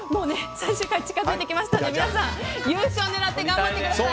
最終回が近づいてきましたので皆さん優勝狙って頑張ってください。